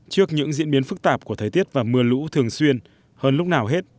trước những diễn biến phức tạp của thời tiết và mưa lũ thường xuyên hơn lúc nào hết